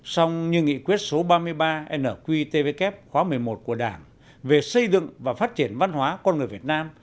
xong như nghị quyết số ba mươi ba nqtvk khóa một mươi một của đảng về xây dựng và phát triển văn hóa con người việt nam